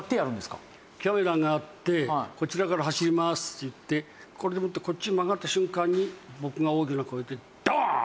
カメラがあってこちらから走りますと言ってこれでもってこっち曲がった瞬間に僕が大きな声でドーン！